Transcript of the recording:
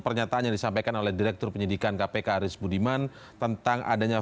pernyataan yang disampaikan oleh direktur penyidikan kpk aris budiman tentang adanya